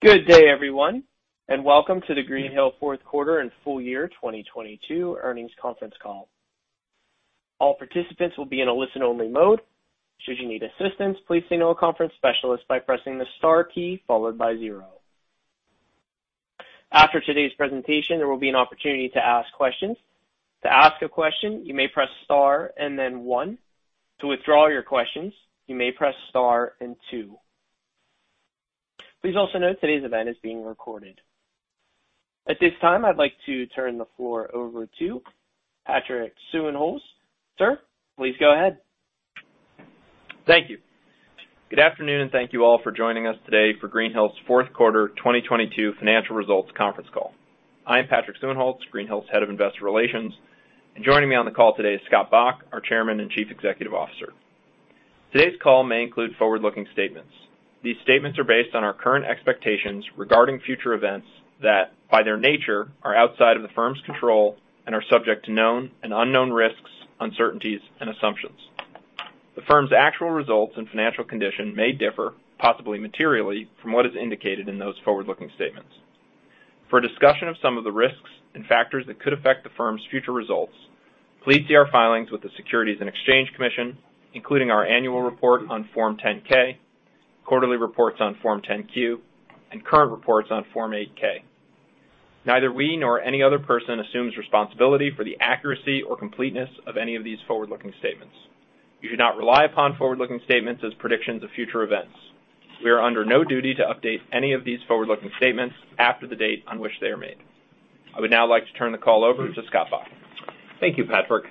Good day, everyone, and welcome to the Greenhill Fourth Quarter and Full Year 2022 Earnings Conference Call. All participants will be in a listen-only mode. Should you need assistance, please signal a conference specialist by pressing the star key followed by zero. After today's presentation, there will be an opportunity to ask questions. To ask a question, you may press star and then one. To withdraw your questions, you may press star and two. Please also note today's event is being recorded. At this time, I'd like to turn the floor over to Patrick Suehnholz. Sir, please go ahead. Thank you. Good afternoon, and thank you all for joining us today for Greenhill's fourth quarter 2022 financial results conference call. I am Patrick Suehnholz, Greenhill's Head of Investor Relations, and joining me on the call today is Scott Bok, our Chairman and Chief Executive Officer. Today's call may include forward-looking statements. These statements are based on our current expectations regarding future events that, by their nature, are outside of the firm's control and are subject to known and unknown risks, uncertainties and assumptions. The firm's actual results and financial condition may differ, possibly materially, from what is indicated in those forward-looking statements. For a discussion of some of the risks and factors that could affect the firm's future results, please see our filings with the Securities and Exchange Commission, including our annual report on Form 10-K, quarterly reports on Form 10-Q, and current reports on Form 8-K. Neither we nor any other person assumes responsibility for the accuracy or completeness of any of these forward-looking statements. You should not rely upon forward-looking statements as predictions of future events. We are under no duty to update any of these forward-looking statements after the date on which they are made. I would now like to turn the call over to Scott Bok. Thank you, Patrick.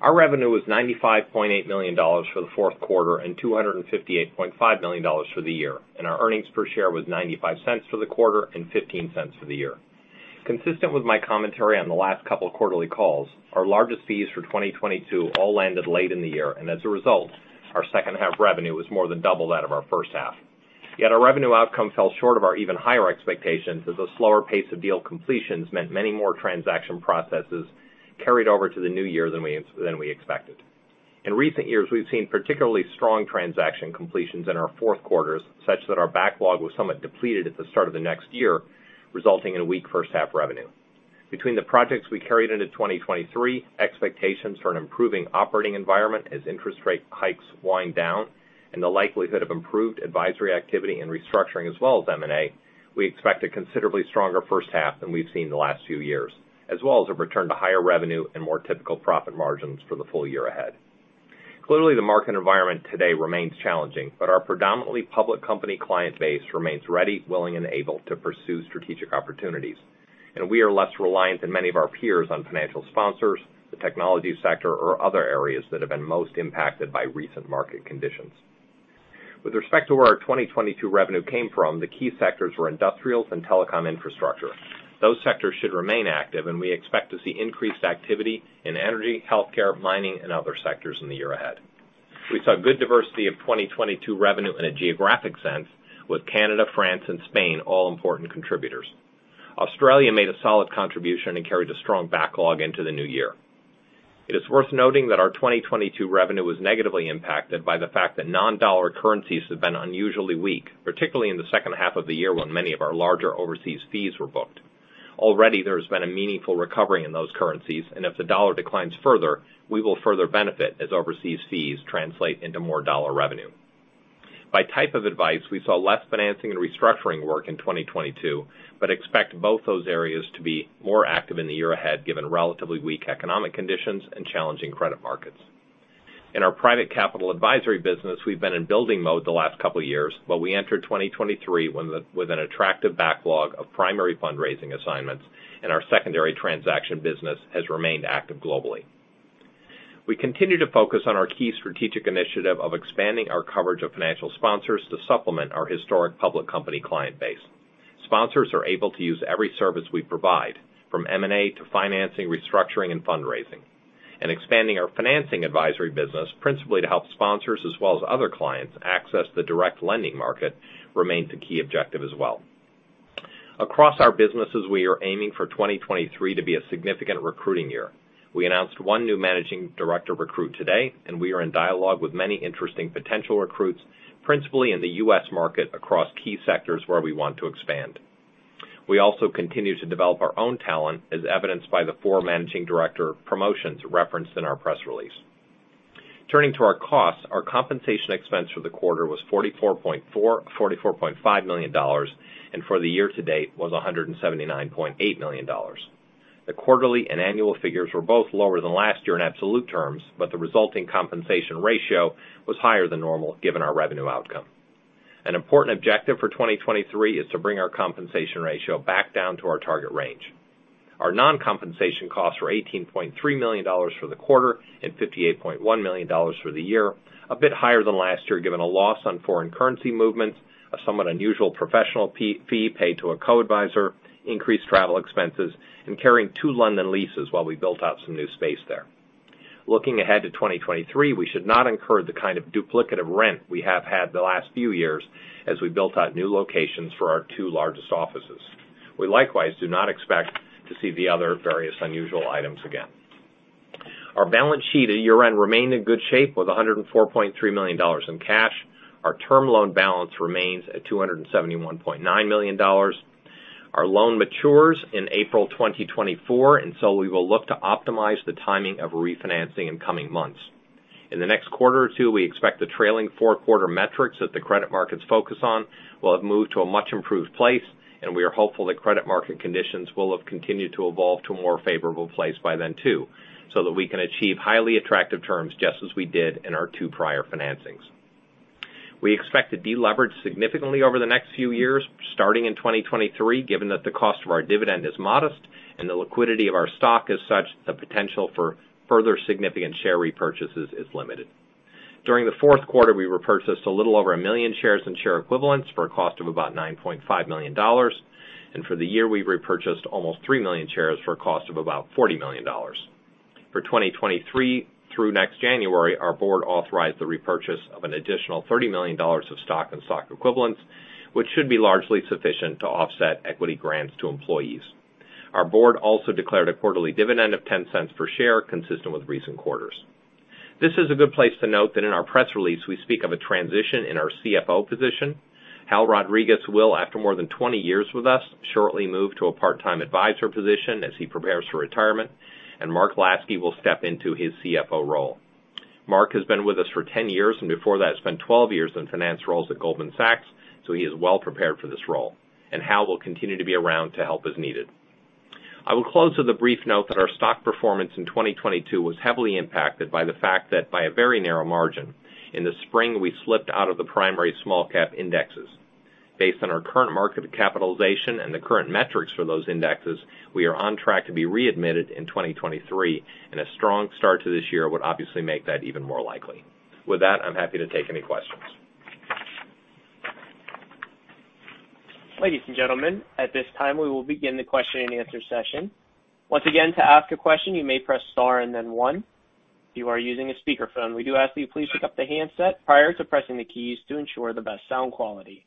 Our revenue was $95.8 million for the fourth quarter and $258.5 million for the year, and our earnings per share was $0.95 for the quarter and $0.15 for the year. Consistent with my commentary on the last couple of quarterly calls, our largest fees for 2022 all landed late in the year, and as a result, our second half revenue was more than double that of our first half. Yet our revenue outcome fell short of our even higher expectations, as a slower pace of deal completions meant many more transaction processes carried over to the new year than we expected. In recent years, we've seen particularly strong transaction completions in our fourth quarters, such that our backlog was somewhat depleted at the start of the next year, resulting in a weak first half revenue. Between the projects we carried into 2023, expectations for an improving operating environment as interest rate hikes wind down and the likelihood of improved advisory activity and restructuring as well as M&A, we expect a considerably stronger first half than we've seen the last few years, as well as a return to higher revenue and more typical profit margins for the full year ahead. Clearly, the market environment today remains challenging. Our predominantly public company client base remains ready, willing, and able to pursue strategic opportunities. We are less reliant than many of our peers on financial sponsors, the technology sector or other areas that have been most impacted by recent market conditions. With respect to where our 2022 revenue came from, the key sectors were industrials and telecom infrastructure. Those sectors should remain active. We expect to see increased activity in energy, healthcare, mining and other sectors in the year ahead. We saw good diversity of 2022 revenue in a geographic sense with Canada, France and Spain all important contributors. Australia made a solid contribution. Carried a strong backlog into the new year. It is worth noting that our 2022 revenue was negatively impacted by the fact that non-dollar currencies have been unusually weak, particularly in the second half of the year when many of our larger overseas fees were booked. Already, there has been a meaningful recovery in those currencies, and if the dollar declines further, we will further benefit as overseas fees translate into more dollar revenue. By type of advice, we saw less financing and restructuring work in 2022, but expect both those areas to be more active in the year ahead given relatively weak economic conditions and challenging credit markets. In our private capital advisory business, we've been in building mode the last couple years, but we entered 2023 with an attractive backlog of primary fundraising assignments, and our secondary transaction business has remained active globally. We continue to focus on our key strategic initiative of expanding our coverage of financial sponsors to supplement our historic public company client base. Sponsors are able to use every service we provide, from M&A to financing, restructuring and fundraising. Expanding our financing advisory business, principally to help sponsors as well as other clients access the direct lending market remains a key objective as well. Across our businesses, we are aiming for 2023 to be a significant recruiting year. We announced one new managing director recruit today, we are in dialogue with many interesting potential recruits, principally in the U.S. market across key sectors where we want to expand. We also continue to develop our own talent, as evidenced by the four managing director promotions referenced in our press release. Turning to our costs, our compensation expense for the quarter was $44.5 million and for the year to date was $179.8 million. The quarterly and annual figures were both lower than last year in absolute terms, but the resulting compensation ratio was higher than normal given our revenue outcome. An important objective for 2023 is to bring our compensation ratio back down to our target range. Our non-compensation costs were $18.3 million for the quarter and $58.1 million for the year, a bit higher than last year, given a loss on foreign currency movements, a somewhat unusual professional fee paid to a co-adviser, increased travel expenses, and carrying two London leases while we built out some new space there. Looking ahead to 2023, we should not incur the kind of duplicative rent we have had the last few years as we built out new locations for our two largest offices. We likewise do not expect to see the other various unusual items again. Our balance sheet at year-end remained in good shape with $104.3 million in cash. Our term loan balance remains at $271.9 million. Our loan matures in April 2024. We will look to optimize the timing of refinancing in coming months. In the next quarter or two, we expect the trailing four quarter metrics that the credit markets focus on will have moved to a much improved place, and we are hopeful that credit market conditions will have continued to evolve to a more favorable place by then too, so that we can achieve highly attractive terms, just as we did in our two prior financings. We expect to deleverage significantly over the next few years, starting in 2023, given that the cost of our dividend is modest and the liquidity of our stock is such, the potential for further significant share repurchases is limited. During the fourth quarter, we repurchased a little over 1 million shares and share equivalents for a cost of about $9.5 million. For the year, we repurchased almost 3 million shares for a cost of about $40 million. For 2023 through next January, our board authorized the repurchase of an additional $30 million of stock and stock equivalents, which should be largely sufficient to offset equity grants to employees. Our board also declared a quarterly dividend of $0.10 per share, consistent with recent quarters. This is a good place to note that in our press release, we speak of a transition in our CFO position. Hal Rodriguez will, after more than 20 years with us, shortly move to a part-time advisor position as he prepares for retirement, and Mark Lasky will step into his CFO role. Mark has been with us for 10 years, and before that spent 12 years in finance roles at Goldman Sachs, so he is well prepared for this role. Hal will continue to be around to help as needed. I will close with a brief note that our stock performance in 2022 was heavily impacted by the fact that by a very narrow margin. In the spring, we slipped out of the primary small cap indexes. Based on our current market capitalization and the current metrics for those indexes, we are on track to be readmitted in 2023. A strong start to this year would obviously make that even more likely. With that, I'm happy to take any questions. Ladies and gentlemen, at this time, we will begin the question-and-answer session. Once again, to ask a question, you may press star and then one. If you are using a speakerphone, we do ask that you please pick up the handset prior to pressing the keys to ensure the best sound quality.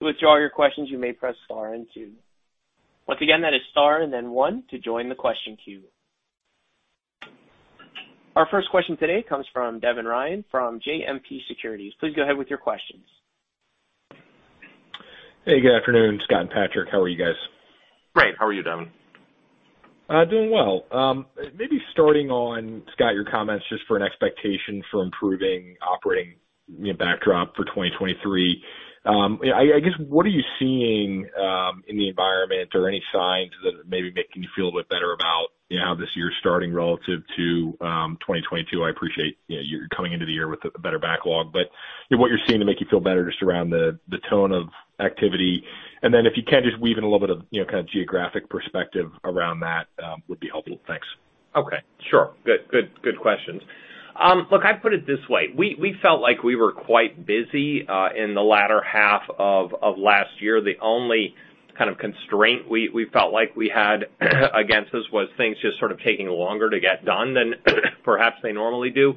To withdraw your questions, you may press star and two. Once again, that is star and then one to join the question queue. Our first question today comes from Devin Ryan from JMP Securities. Please go ahead with your questions. Hey, good afternoon, Scott and Patrick. How are you guys? Great. How are you, Devin? Doing well. Maybe starting on, Scott, your comments just for an expectation for improving operating backdrop for 2023. I guess, what are you seeing in the environment, or any signs that maybe making you feel a bit better about how this year is starting relative to 2022? I appreciate you're coming into the year with a better backlog, but what you're seeing to make you feel better just around the tone of activity. If you can just weave in a little bit of, you know, kind of geographic perspective around that, would be helpful. Thanks. Okay. Sure. Good questions. Look, I'd put it this way. We felt like we were quite busy in the latter half of last year. The only kind of constraint we felt like we had against us was things just sort of taking longer to get done than perhaps they normally do.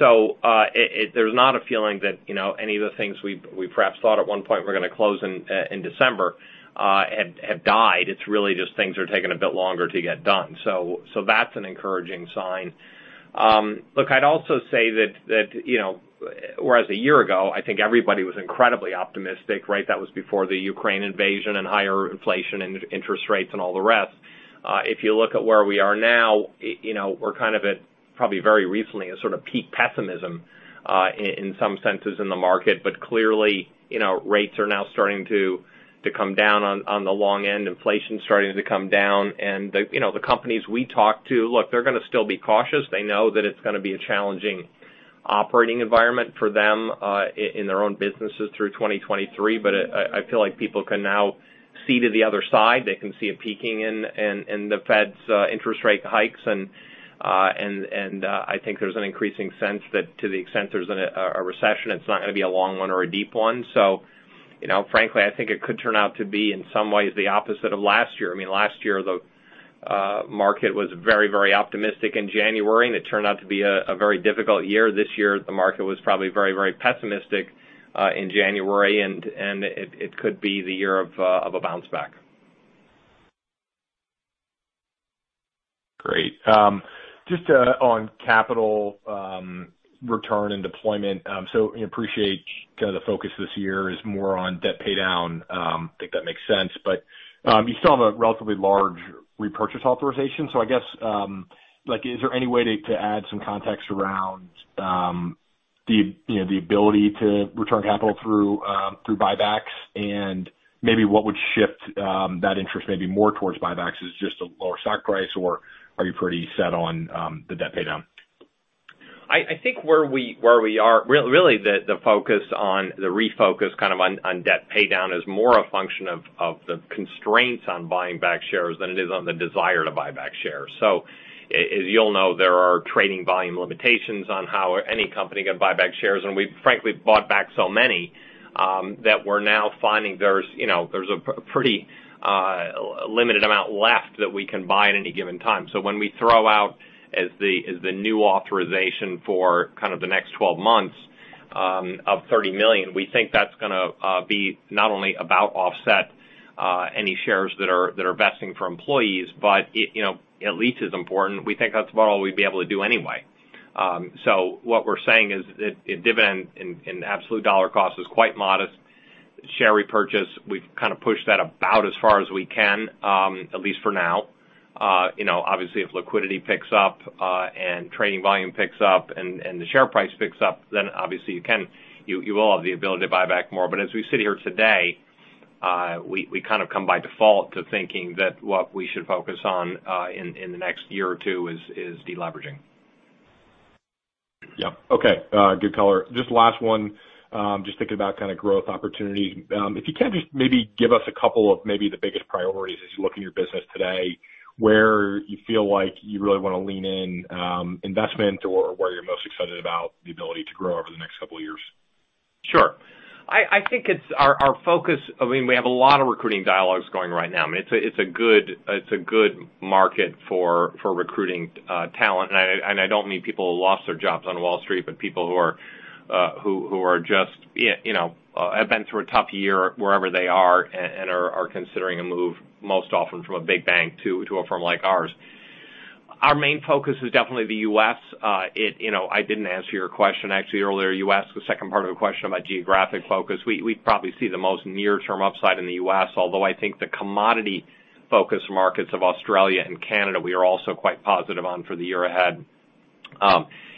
There's not a feeling that, you know, any of the things we perhaps thought at one point were gonna close in December, have died. It's really just things are taking a bit longer to get done. That's an encouraging sign. Look, I'd also say that, you know, whereas a year ago, I think everybody was incredibly optimistic, right? That was before the Ukraine invasion and higher inflation and interest rates and all the rest. If you look at where we are now, you know, we're kind of at probably very recently a sort of peak pessimism in some senses in the market. Clearly, you know, rates are now starting to come down on the long end, inflation is starting to come down. The companies we talk to, look, they're gonna still be cautious. They know that it's gonna be a challenging operating environment for them in their own businesses through 2023. I feel like people can now see to the other side. They can see it peaking in the Fed's interest rate hikes. I think there's an increasing sense that to the extent there's a recession, it's not gonna be a long one or a deep one. You know, frankly, I think it could turn out to be in some ways the opposite of last year. I mean, last year, the market was very, very optimistic in January, and it turned out to be a very difficult year. This year, the market was probably very, very pessimistic in January, and it could be the year of a bounce back. Great. Just on capital, return and deployment. We appreciate kind of the focus this year is more on debt paydown. I think that makes sense. You still have a relatively large repurchase authorization. I guess, like, is there any way to add some context around, the, you know, the ability to return capital through buybacks? Maybe what would shift, that interest maybe more towards buybacks? Is it just a lower stock price, or are you pretty set on, the debt paydown? I think where we are, really, the focus on the refocus kind of on debt paydown is more a function of the constraints on buying back shares than it is on the desire to buy back shares. As you all know, there are trading volume limitations on how any company can buy back shares, and we've frankly bought back so many, that we're now finding there's, you know, there's a pretty, limited amount left that we can buy at any given time. When we throw out as the new authorization for kind of the next 12 months of $30 million, We think that's gonna be not only about offset any shares that are vesting for employees, but it, you know, at least as important, we think that's about all we'd be able to do anyway. What we're saying is a dividend in absolute dollar cost is quite modest. Share repurchase, we've kind of pushed that about as far as we can, at least for now. You know, obviously, if liquidity picks up, and trading volume picks up and the share price picks up, then obviously you will have the ability to buy back more. As we sit here today, we kind of come by default to thinking that what we should focus on, in the next year or two is deleveraging. Yeah. Okay. good color. Just last one. Just thinking about kind of growth opportunity. If you can just maybe give us a couple of maybe the biggest priorities as you look in your business today, where you feel like you really wanna lean in, investment or where you're most excited about the ability to grow over the next couple of years. Sure. I think it's our focus. I mean, we have a lot of recruiting dialogues going right now. I mean, it's a good market for recruiting talent. I don't mean people who lost their jobs on Wall Street, but people who are just, you know, have been through a tough year wherever they are and are considering a move most often from a big bank to a firm like ours. Our main focus is definitely the U.S. You know, I didn't answer your question, actually, earlier. You asked the second part of the question about geographic focus. We probably see the most near term upside in the U.S., although I think the commodity-focused markets of Australia and Canada, we are also quite positive on for the year ahead.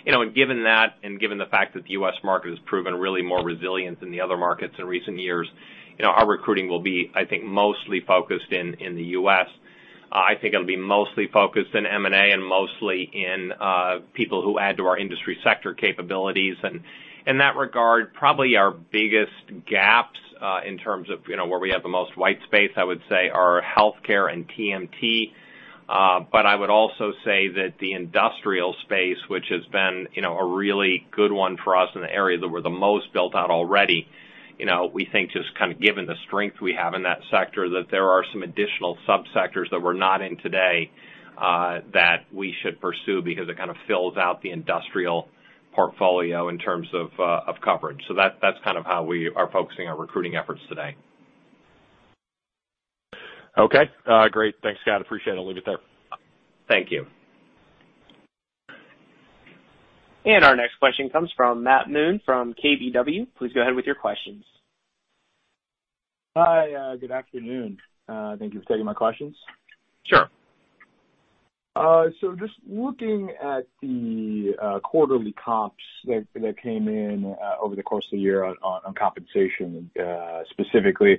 you know, given that and given the fact that the U.S. market has proven really more resilient than the other markets in recent years, you know, our recruiting will be, I think, mostly focused in the U.S. I think it'll be mostly focused in M&A and mostly in people who add to our industry sector capabilities. In that regard, probably our biggest gaps, in terms of, you know, where we have the most white space, I would say, are healthcare and TMT. I would also say that the industrial space, which has been, you know, a really good one for us in the area that we're the most built out already, you know, we think just kind of given the strength we have in that sector, that there are some additional subsectors that we're not in today, that we should pursue because it kind of fills out the industrial portfolio in terms of coverage. That, that's kind of how we are focusing our recruiting efforts today. Okay. Great. Thanks, Scott. Appreciate it. I'll leave it there. Thank you. Our next question comes from Matt Moon from KBW. Please go ahead with your questions. Hi, good afternoon. Thank you for taking my questions. Sure. Just looking at the quarterly comps that came in over the course of the year on compensation specifically,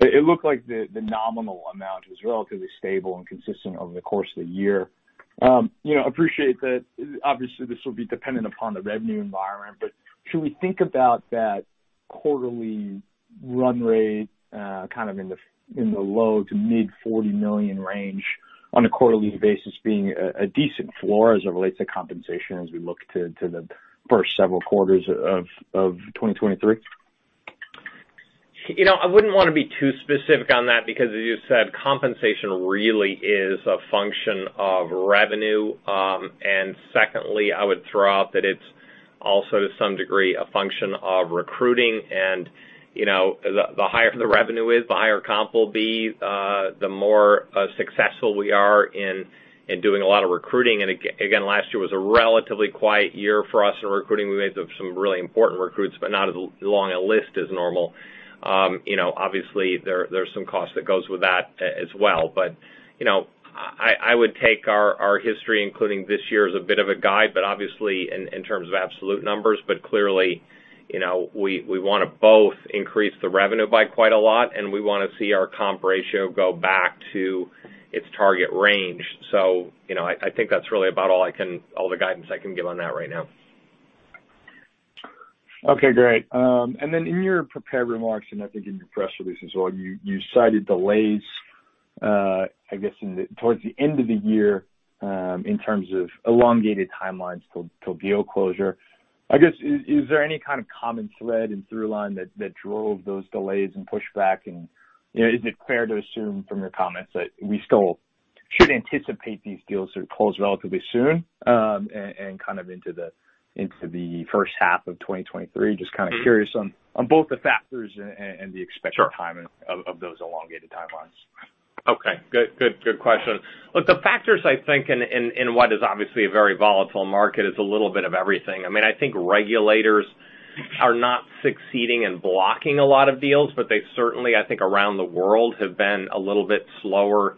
it looked like the nominal amount was relatively stable and consistent over the course of the year. You know, appreciate that, obviously, this will be dependent upon the revenue environment, but should we think about that quarterly run rate kind of in the low to mid $40 million range on a quarterly basis being a decent floor as it relates to compensation as we look to the first several quarters of 2023? You know, I wouldn't wanna be too specific on that because as you said, compensation really is a function of revenue. Secondly, I would throw out that it's also to some degree, a function of recruiting. You know, the higher the revenue is, the higher comp will be, the more successful we are in doing a lot of recruiting. Again, last year was a relatively quiet year for us in recruiting. We made some really important recruits, but not as long a list as normal. You know, obviously, there's some cost that goes with that as well. You know, I would take our history, including this year, as a bit of a guide, but obviously in terms of absolute numbers. Clearly, you know, we wanna both increase the revenue by quite a lot, and we wanna see our comp ratio go back to its target range. You know, I think that's really about all the guidance I can give on that right now. Okay, great. In your prepared remarks, and I think in your press release as well, you cited delays, I guess towards the end of the year, in terms of elongated timelines till deal closure. I guess is there any kind of common thread and through line that drove those delays and pushback? You know, is it fair to assume from your comments that we still should anticipate these deals to close relatively soon, and kind of into the first half of 2023? Just kinda curious on both the factors and the expected timing? Sure. of those elongated timelines. Okay. Good question. Look, the factors, I think in what is obviously a very volatile market is a little bit of everything. I mean, I think regulators are not succeeding in blocking a lot of deals, but they've certainly, I think around the world, have been a little bit slower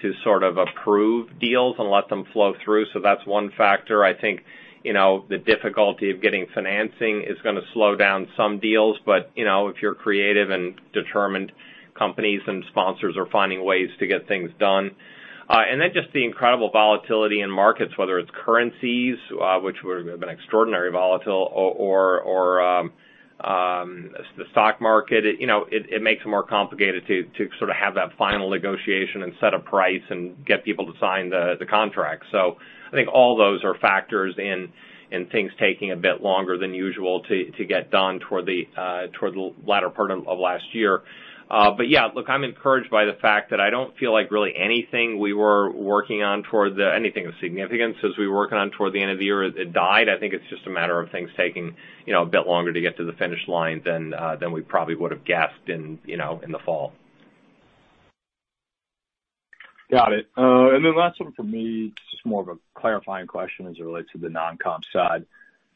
to sort of approve deals and let them flow through. That's one factor. I think, you know, the difficulty of getting financing is gonna slow down some deals. You know, if you're creative and determined, companies and sponsors are finding ways to get things done. Then just the incredible volatility in markets, whether it's currencies, which have been extraordinary volatile or the stock market. You know, it makes it more complicated to sort of have that final negotiation and set a price and get people to sign the contract. I think all those are factors in things taking a bit longer than usual to get done toward the toward the latter part of last year. Yeah, look, I'm encouraged by the fact that I don't feel like really anything of significance as we were working on toward the end of the year, it died. I think it's just a matter of things taking, you know, a bit longer to get to the finish line than we probably would have guessed in, you know, in the fall. Got it. Last one for me, it's just more of a clarifying question as it relates to the non-comp side.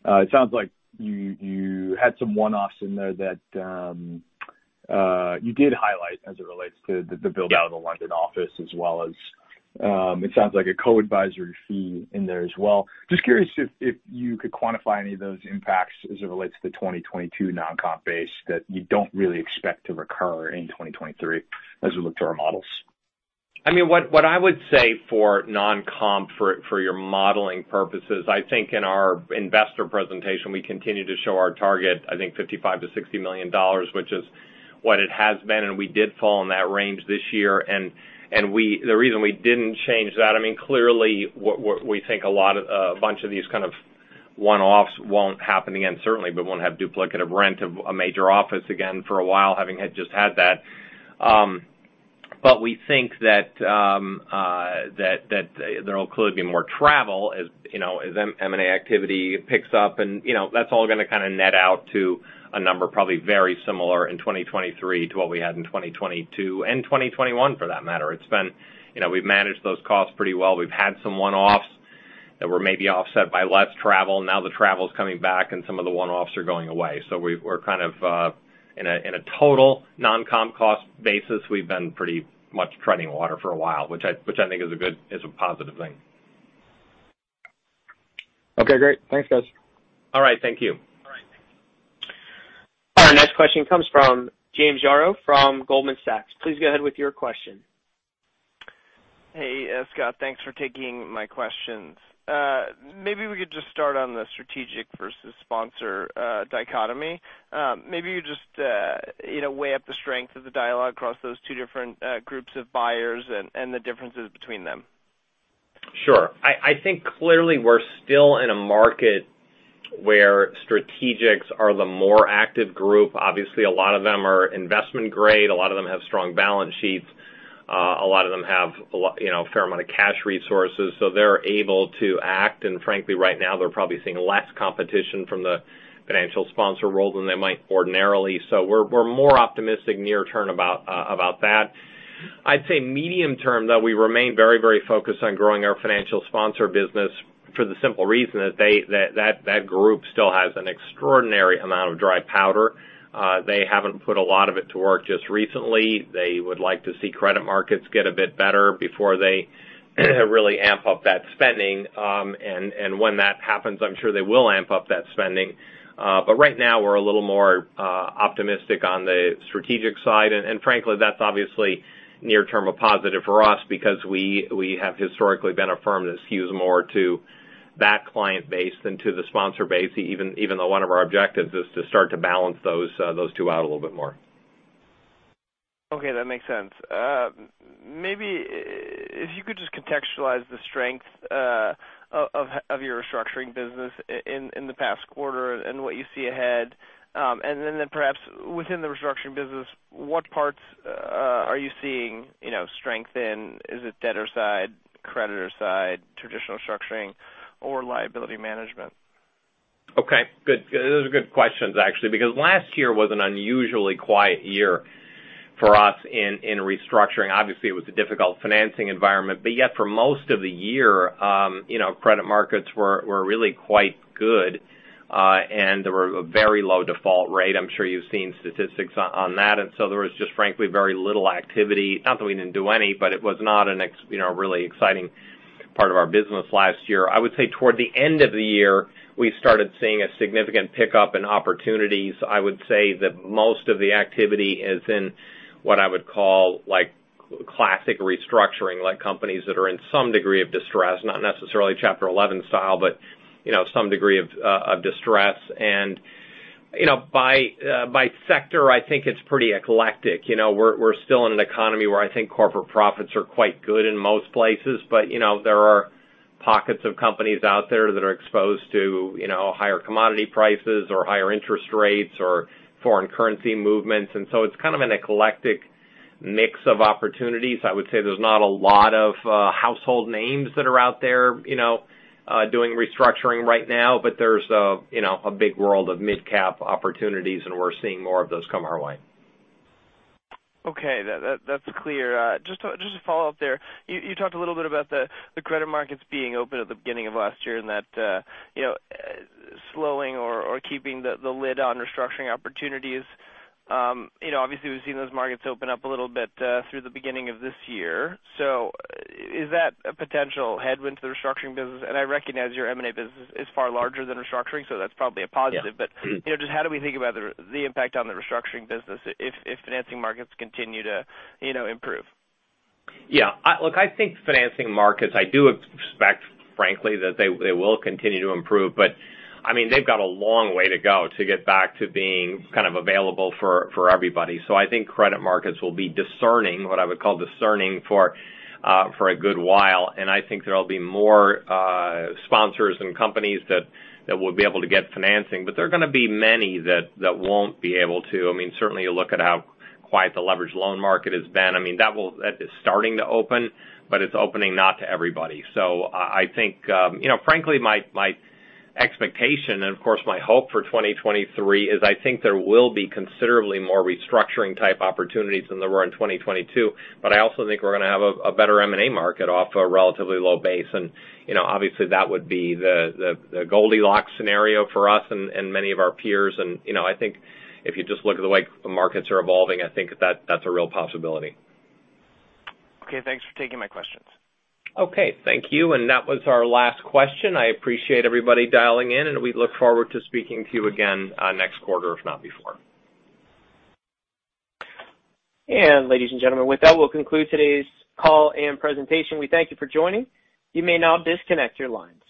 It sounds like you had some one-offs in there that you did highlight as it relates to the build-out of the London office as well as it sounds like a co-advisory fee in there as well. Just curious if you could quantify any of those impacts as it relates to the 2022 non-comp base that you don't really expect to recur in 2023 as we look to our models. I mean, what I would say for non-comp for your modeling purposes, I think in our investor presentation, we continue to show our target, I think $55 million-$60 million, which is what it has been, and we did fall in that range this year. The reason we didn't change that, I mean, clearly we think a lot of, a bunch of these kind of one-offs won't happen again, certainly. We won't have duplicative rent of a major office again for a while, having had just had that. We think that there'll clearly be more travel as, you know, as M&A activity picks up and, you know, that's all gonna kinda net out to a number probably very similar in 2023 to what we had in 2022 and 2021 for that matter. It's been, you know, we've managed those costs pretty well. We've had some one-offs that were maybe offset by less travel. Now the travel's coming back and some of the one-offs are going away. We're kind of in a total non-comp cost basis, we've been pretty much treading water for a while, which I think is a good, is a positive thing. Okay, great. Thanks, guys. All right. Thank you. Our next question comes from James Yaro from Goldman Sachs. Please go ahead with your question. Hey, Scott, thanks for taking my questions. Maybe we could just start on the strategic versus sponsor dichotomy. Maybe you just, you know, weigh up the strength of the dialogue across those two different groups of buyers and the differences between them. Sure. I think clearly we're still in a market where strategics are the more active group. Obviously, a lot of them are investment grade. A lot of them have strong balance sheets. A lot of them have you know, a fair amount of cash resources, so they're able to act. Frankly, right now, they're probably seeing less competition from the financial sponsor role than they might ordinarily. We're more optimistic near term about that. I'd say medium term, though, we remain very focused on growing our financial sponsor business for the simple reason that that group still has an extraordinary amount of dry powder. They haven't put a lot of it to work just recently. They would like to see credit markets get a bit better before they really amp up that spending. When that happens, I'm sure they will amp up that spending. Right now, we're a little more optimistic on the strategic side. Frankly, that's obviously near term a positive for us because we have historically been a firm that skews more to that client base than to the sponsor base, even though one of our objectives is to start to balance those two out a little bit more. Okay, that makes sense. Maybe if you could just contextualize the strength of your restructuring business in the past quarter and what you see ahead. Perhaps within the restructuring business, what parts are you seeing, you know, strength in? Is it debtor side, creditor side, traditional structuring, or liability management? Okay. Good. Those are good questions, actually, because last year was an unusually quiet year for us in restructuring. Obviously, it was a difficult financing environment, but yet for most of the year, you know, credit markets were really quite good, and there were a very low default rate. I'm sure you've seen statistics on that. There was just frankly very little activity. Not that we didn't do any, but it was not you know, a really exciting part of our business last year. I would say toward the end of the year, we started seeing a significant pickup in opportunities. I would say that most of the activity is in what I would call like classic restructuring, like companies that are in some degree of distress, not necessarily Chapter 11 style, but, you know, some degree of distress. You know, by sector, I think it's pretty eclectic. You know, we're still in an economy where I think corporate profits are quite good in most places, but, you know, there are pockets of companies out there that are exposed to, you know, higher commodity prices or higher interest rates or foreign currency movements. It's kind of an eclectic mix of opportunities. I would say there's not a lot of, household names that are out there, you know, doing restructuring right now, but there's a, you know, a big world of midcap opportunities, and we're seeing more of those come our way. Okay. That's clear. Just a follow-up there. You talked a little bit about the credit markets being open at the beginning of last year and that, you know, slowing or keeping the lid on restructuring opportunities. You know, obviously we've seen those markets open up a little bit through the beginning of this year. Is that a potential headwind to the restructuring business? I recognize your M&A business is far larger than restructuring, so that's probably a positive. Yeah. You know, just how do we think about the impact on the restructuring business if financing markets continue to, you know, improve? Yeah. Look, I think financing markets, I do expect, frankly, that they will continue to improve. I mean, they've got a long way to go to get back to being kind of available for everybody. I think credit markets will be discerning, what I would call discerning for a good while. I think there'll be more sponsors and companies that will be able to get financing. There are gonna be many that won't be able to. I mean, certainly you look at how quiet the leveraged loan market has been. I mean, that is starting to open, but it's opening not to everybody. I think, you know, frankly, my expectation and, of course, my hope for 2023 is I think there will be considerably more restructuring type opportunities than there were in 2022, but I also think we're gonna have a better M&A market off a relatively low base. You know, obviously that would be the, the Goldilocks scenario for us and many of our peers. You know, I think if you just look at the way the markets are evolving, I think that's a real possibility. Okay. Thanks for taking my questions. Okay. Thank you. That was our last question. I appreciate everybody dialing in, and we look forward to speaking to you again, next quarter, if not before. Ladies and gentlemen, with that, we'll conclude today's call and presentation. We thank you for joining. You may now disconnect your lines.